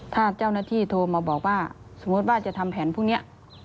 ถ้าเจ้าหน้าที่โทรมาบอกว่าสมมุติว่าจะทำแผนพวกนี้